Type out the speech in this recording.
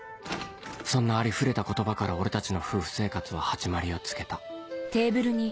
そんなありふれた言葉から俺たちの夫婦生活は始まりを告げた